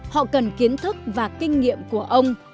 họ cần kiến thức và kinh nghiệm của ông